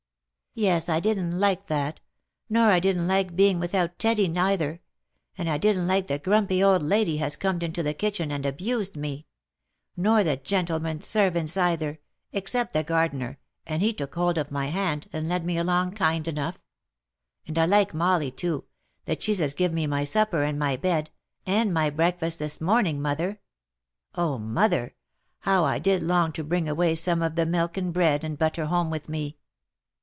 " Yes, I didn't like that — nor I didn't like being without Teddy neither — and I didn't like the grumpy old lady as corned into the kitchen, and abused me ; nor the gentlemen servants either, except the gardener, and he took hold of my hand, and led me along kind enough — and I like Molly too, that's she as give me my supper and my bed, and my breakfast this morning, mother. Oh, mother! how I did long to bring away some of the milk and bread and butter home with me!"